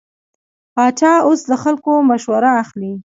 پاچا اوس له خلکو مشوره اخلي.